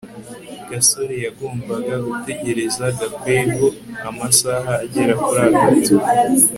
gasore yagombaga gutegereza gakwego amasaha agera kuri atatu